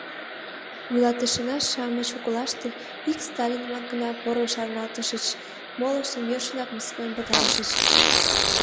— Вуйлатышына-шамыч коклаште ик Сталинымак гына порын шарналтышыч, молыштым йӧршынак мыскылен пытарышыч.